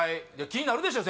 気になるでしょ